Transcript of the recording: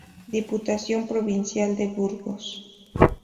Diputación Provincial de Burgos